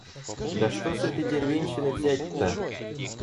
Да что с этой деревенщины взять-то?